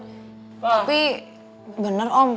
tapi bener om